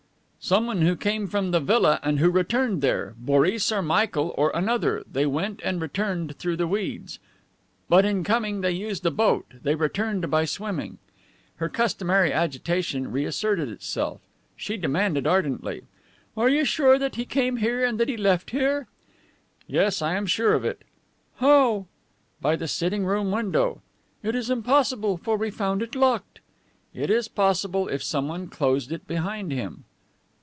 "Someone who came from the villa and who returned there. Boris or Michael, or another. They went and returned through the reeds. But in coming they used a boat; they returned by swimming." Her customary agitation reasserted itself. She demanded ardently: "And you are sure that he came here and that he left here?" "Yes, I am sure of it." "How?" "By the sitting room window." "It is impossible, for we found it locked." "It is possible, if someone closed it behind him."